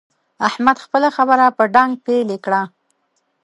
احمد خپله خبره په ډانګ پېيلې کړه.